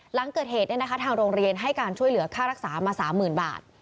หลังเกิดเหตุทางโรงเรียนให้การช่วยเหลือค่ารักษามา๓๐๐๐บาท